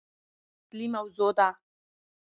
زما اصلي موضوع ده